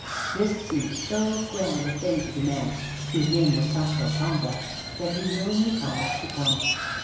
This seemed so grand a thing to the man (whose name was Sancho Panza), that he willingly promised to come.